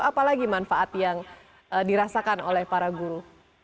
apalagi manfaat yang dirasakan oleh para guru